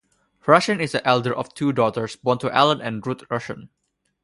Rushen is the elder of two daughters born to Allen and Ruth Rushen.